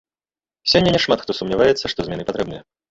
Сёння няшмат хто сумняваецца, што змены патрэбныя.